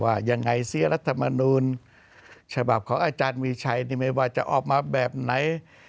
ว่ายังไงเสียรัฐมนูลฉบับของอาจารย์มีชัยนี่ไม่ว่าจะออกมาแบบไหน